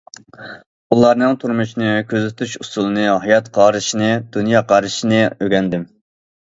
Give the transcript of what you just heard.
ئۇلارنىڭ تۇرمۇشنى كۆزىتىش ئۇسۇلىنى، ھايات قارىشىنى، دۇنيا قارىشىنى ئۆگەندىم.